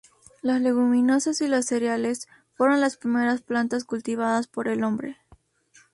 Las leguminosas y los cereales fueron las primeras plantas cultivadas por el hombre.